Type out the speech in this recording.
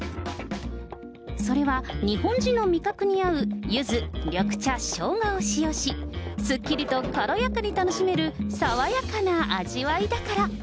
それは日本人の味覚に合うゆず、緑茶、しょうがを使用し、すっきりと軽やかに楽しめる爽やかな味わいだから。